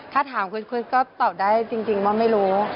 ถ้าถามคริสก็ตอบได้จริงว่าไม่รู้